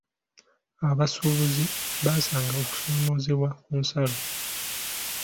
Abasuubuzi basanga okusoomoozebwa ku nsalo.